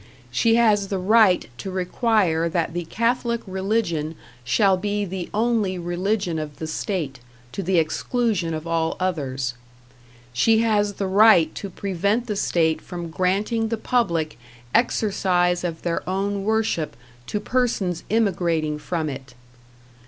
She has the right to require that the Catholic religion shall be the only religion of the state, to the exclusion of all others. She has the right to prevent the state from granting the public exercise of their own worship to persons immigrating from it.